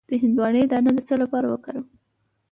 د هندواڼې دانه د څه لپاره وکاروم؟